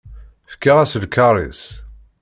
Fkiɣ-as lkaṛ-is.